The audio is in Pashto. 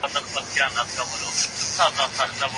بندګان مجبور او مکلف دي، چي قرآن کريمولولي.